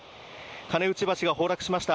金内橋が崩落しました